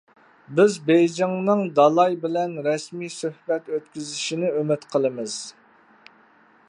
بىز بېيجىڭنىڭ دالاي بىلەن رەسمىي سۆھبەت ئۆتكۈزۈشىنى ئۈمىد قىلىمىز.